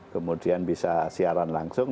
kemudian bisa siaran langsung